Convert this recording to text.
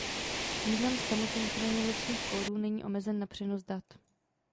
Význam samosynchronizačních kódů není omezen na přenos dat.